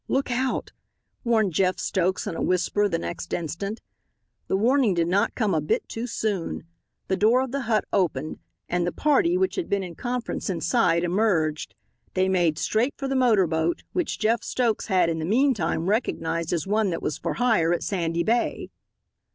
"Look out!" warned Jeff Stokes in a whisper the next instant. The warning did not come a bit too soon. The door of the hut opened and the party which had been in conference inside emerged. They made straight for the motor boat, which Jeff Stokes had, in the meantime, recognized as one that was for hire at Sandy Bay.